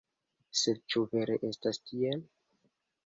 Sed ĉu vere estas tiel?